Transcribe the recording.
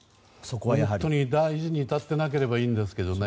本当に大事に至っていなければいいんですけどね。